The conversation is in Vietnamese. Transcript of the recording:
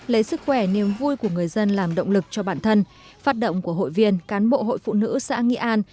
lấy sức khỏe niềm vui của người dân làm động lực cho bản thân phát động của hội viên cán bộ hội phụ nữ xã nghị an